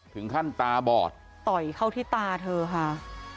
ถึงขั้นตาบอดต่อยเข้าที่ตาเธอค่ะ